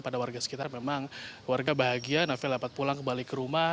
pada warga sekitar memang warga bahagia novel dapat pulang kembali ke rumah